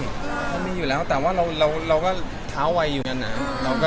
มันก็ต้องมีอุบัติเหตุมันมีอยู่แล้วแต่ว่าเราก็เท้าไวอยู่อย่างนั้นนะ